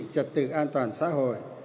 trật tự an toàn xã hội